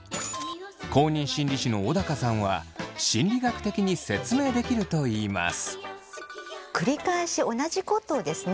公認心理師の小高さんは心理学的に説明できるといいます。